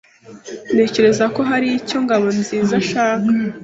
Ntekereza ko hari icyo Ngabonziza ashaka.